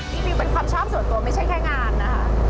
มิวเป็นความชอบส่วนตัวไม่ใช่แค่งานนะคะ